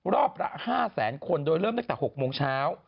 รอบละ๕แสนคนโดยเริ่มตั้งแต่๖โมงเช้า